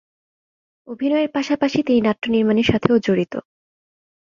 অভিনয়ের পাশাপাশি তিনি নাট্য নির্মাণের সাথেও জড়িত।